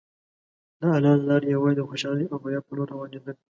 د الله له لارې یوازې د خوشحالۍ او بریا په لور روانېدل.